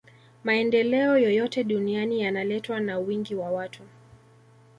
maendeleo yoyote duniani yanaletwa na wingi wa watu